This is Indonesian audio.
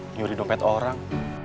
nyuri dompet orang